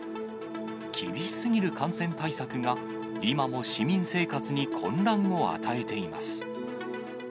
厳しすぎる感染対策が、今も市民生活に混乱を与えています。